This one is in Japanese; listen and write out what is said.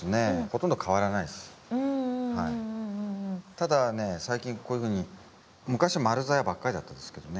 ただね最近こういうふうに昔は丸ざやばっかりだったですけどね。